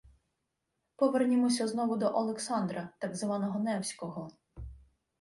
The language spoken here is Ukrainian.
Повернімося знову до Олександра, так званого Невського